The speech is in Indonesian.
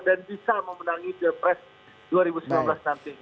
dan bisa memenangi jepres dua ribu sembilan belas nanti gitu